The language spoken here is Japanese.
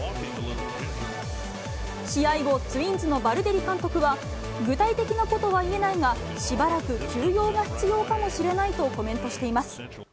試合後、ツインズのバルデリ監督は、具体的なことは言えないが、しばらく休養が必要かもしれないとコメントしています。